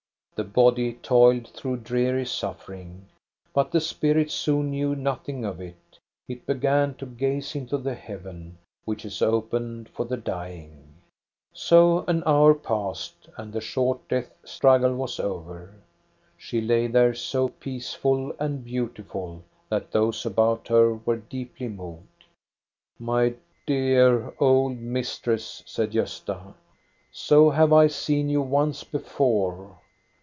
The body toiled through dreary suffering; but the spirit soon knew nothing of it. It began to gaze into the heaven which is opened for the dying. So an hour passed, and the short death struggle was over. She lay there so peaceful and beautiful that those about her were deeply moved. "My dear old mistress," said Gosta, "so have I seen you once before.